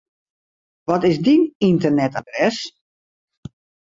Wat is dyn ynternetadres?